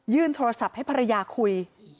โทรศัพท์ให้ภรรยาคุย